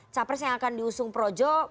capres yang akan diusung projo